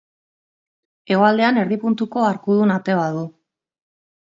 Hegoaldean erdi puntuko arkudun ate bat du.